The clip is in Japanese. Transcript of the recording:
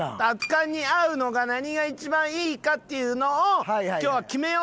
熱燗に合うのが何が一番いいかっていうのを今日は決めようと。